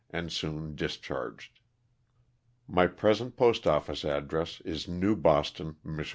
and soon discharged. My present postoffice address is New Boston, Mich.